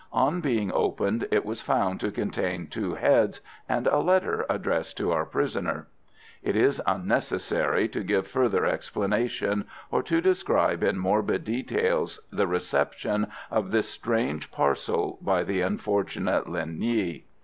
On being opened it was found to contain two heads and a letter addressed to our prisoner. It is unnecessary to give further explanations, or to describe in morbid details the reception of this strange parcel by the unfortunate Linh Nghi.